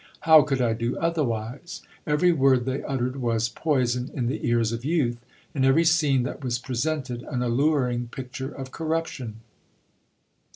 How could I do otherwise ? Every word they uttered was poison in the ears of youth, and every scene that was presented, an alluring picture of corruption.